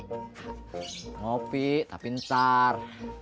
kopi tapi ntar